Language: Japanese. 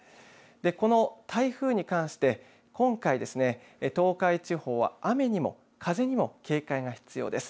この台風に関して今回、東海地方は雨にも風にも警戒が必要です。